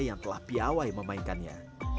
yang telah piawai memainkannya